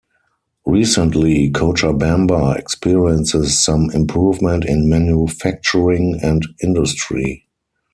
Recently, Cochabamba experiences some improvement in manufacturing and industry.